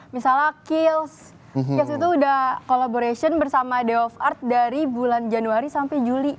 misalnya kiehl s kemudian itu udah collaboration bersama day of art dari bulan januari sampai juli